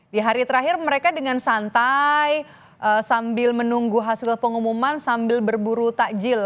di hari terakhir mereka dengan santai sambil menunggu hasil pengumuman sambil berburu takjil